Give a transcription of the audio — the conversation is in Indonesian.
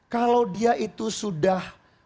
kalau dia itu sudah